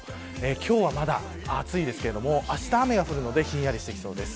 今日まだ暑いですけれどもあした雨が降るのでひんやりとしてきそうです。